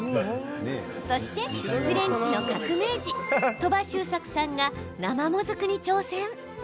そしてフレンチの革命児鳥羽周作さんが生もずくに挑戦。